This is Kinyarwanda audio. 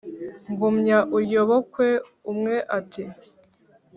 gumya uyobokwe. umwe ati :